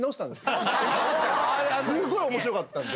すごい面白かったんで。